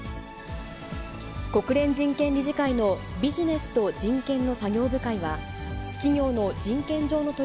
国連人権理事会のビジネスと人権の作業部会は、企業の人権上の取